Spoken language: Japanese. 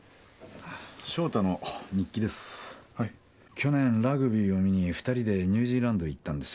去年ラグビーを見に２人でニュージーランドへ行ったんですよ。